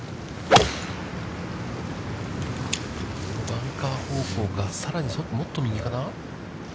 バンカー方向はもっと右かな？